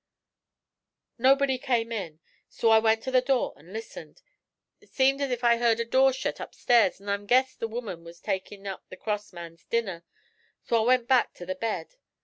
'Nobody came in, so I went to the door an' listened. Seemed as if I heard a door shet upstairs, an' I guessed the woman was taking up the cross man's dinner. So I went back to the bed.